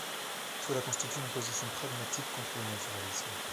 Cela constitue une position pragmatique contre le naturalisme.